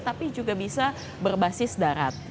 tapi juga bisa berbasis darat